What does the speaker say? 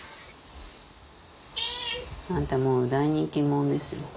あんたもう大人気者ですよ。